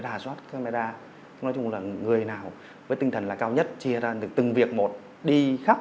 rà soát camera nói chung là người nào với tinh thần là cao nhất chia ra được từng việc một đi khắp